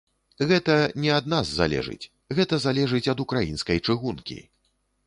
Гэта не ад нас залежыць, гэта залежыць ад украінскай чыгункі.